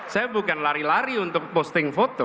saya bukan lari lari untuk posting foto